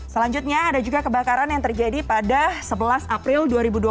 selanjutnya ada juga kebakaran yang terjadi pada sebelas april dua ribu dua puluh